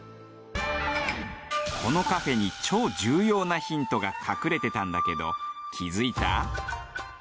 このカフェに超重要なヒントが隠れてたんだけど気づいた？